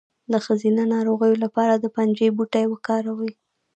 د ښځینه ناروغیو لپاره د پنجې بوټی وکاروئ